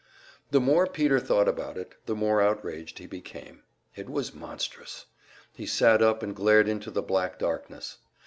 The more Peter thought about it, the more outraged he became. It was monstrous! He sat up and glared into the black darkness.